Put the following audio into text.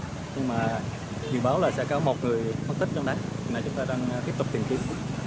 nhưng mà dự báo là sẽ có một người mất tích trong đấy mà chúng ta đang tiếp tục tìm kiếm